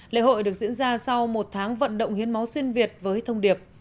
lễ hội được diễn ra sau một tháng vận động hiến máu xuyên việt với thông điệp